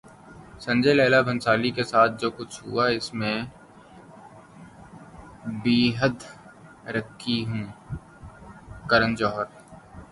سنجے لیلا بھنسالی کے ساتھ جو کچھ ہوا اس سے میں بیحد دکھی ہوں: کرن جوہر